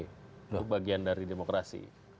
itu bagian dari demokrasi